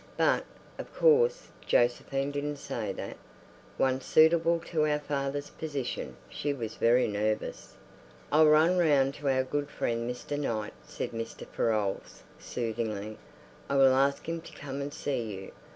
But, of course, Josephine didn't say that. "One suitable to our father's position." She was very nervous. "I'll run round to our good friend Mr. Knight," said Mr. Farolles soothingly. "I will ask him to come and see you.